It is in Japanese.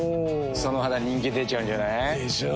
その肌人気出ちゃうんじゃない？でしょう。